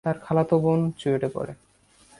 তার খালাতো বোন চুয়েটে পড়ে।